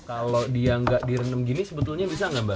kalau dia nggak direndam gini sebetulnya bisa nggak mbak